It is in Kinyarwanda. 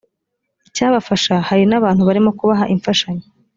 icyabafasha hari n abantu barimo kubaha imfashanyo